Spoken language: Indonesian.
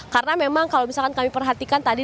karena memang kalau misalkan kami perhatikan tadi